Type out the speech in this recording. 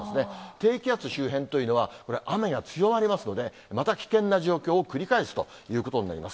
低気圧周辺というのは、これ、雨が強まりますので、また危険な状況を繰り返すということになります。